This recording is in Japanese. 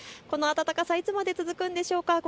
この暖かさいつまで続くんでしょうか。